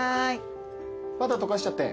バター溶かしちゃって。